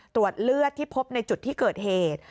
ตรวจเลือดที่พบในจุดที่เกิดเหตุ